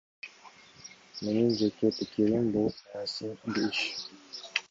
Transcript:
Менин жеке пикирим — бул саясий иш.